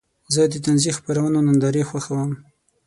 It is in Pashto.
زه د طنزي خپرونو نندارې خوښوم.